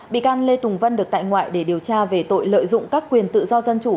bị can lê tùng vân được tại ngoại để điều tra về tội lợi dụng các quyền tự do dân chủ